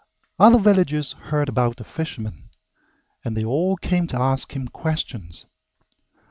Other villagers heard about the fisherman, and they all came to ask him questions.